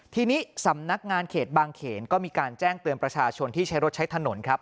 ทีนี้สำนักงานเขตบางเขนก็มีการแจ้งเตือนประชาชนที่ใช้รถใช้ถนนครับ